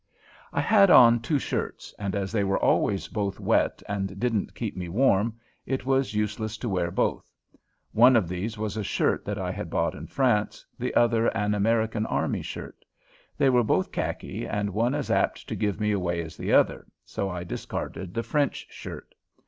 I had on two shirts, and as they were always both wet and didn't keep me warm, it was useless to wear both. One of these was a shirt that I had bought in France, the other an American army shirt. They were both khaki and one as apt to give me away as the other, so I discarded the French shirt.